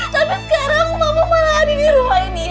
tapi sekarang mama malah ada di rumah ini